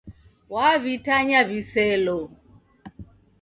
W'aw'itanya wiselo